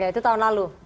itu tahun lalu